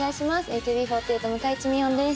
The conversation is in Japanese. ＡＫＢ４８向井地美音です。